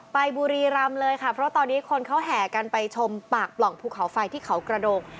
บุรีรำเลยค่ะเพราะตอนนี้คนเขาแห่กันไปชมปากปล่องภูเขาไฟที่เขากระดง